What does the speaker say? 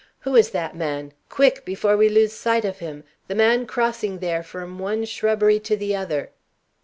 "Who is that man? quick! before we lose sight of him the man crossing there from one shrubbery to the other?"